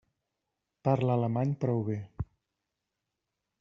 Parla alemany prou bé.